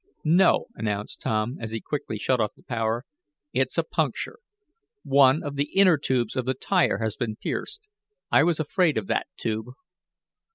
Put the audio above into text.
"No," announced Tom, as he quickly shut off the power. "It's a puncture. One of the inner tubes of the tire has been pierced. I was afraid of that tube."